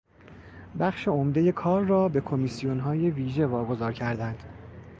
بخش عمدهی کار را به کمیسیونهای ویژه واگذار کردند.